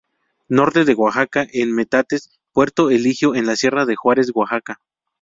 Norte de Oaxaca, en Metates, Puerto Eligio en la Sierra de Juárez, Oaxaca.